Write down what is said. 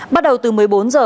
bắt đầu từ một mươi bốn h